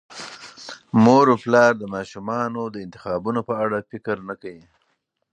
مور او پلار د ماشومانو د انتخابونو په اړه فکر نه کوي.